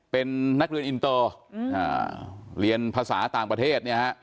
เป็นนักเรียนอินเตอร์เรียนภาษาต่างประเทศเนี่ยฮะ